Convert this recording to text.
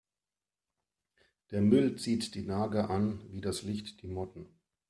Der Müll zieht die Nager an wie das Licht die Motten.